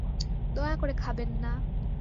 দয়া করে খাবেন না!